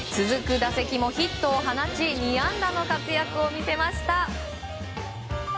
続く打席もヒットを放ち２安打の活躍を見せました。